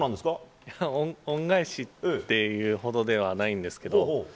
恩返しって言うほどではないんですけど。